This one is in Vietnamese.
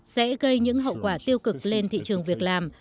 sẽ gây những hậu quả tiêu cực lên thị trường việc làm